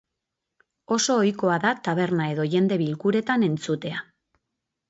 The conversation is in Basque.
Oso ohikoa da taberna edo jende bilkuretan entzutea.